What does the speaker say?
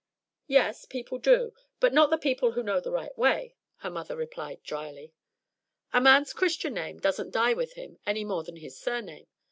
"Yes; people do, but not the people who know the right way," her mother replied dryly. "A man's Christian name doesn't die with him any more than his surname.